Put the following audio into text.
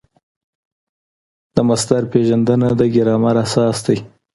د مصدر پېژندنه د ګرامر اساس دئ.